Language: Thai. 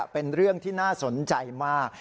เป็นเรื่องที่น่าสนใจมาก